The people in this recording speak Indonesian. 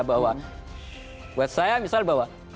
bahwa buat saya misal bahwa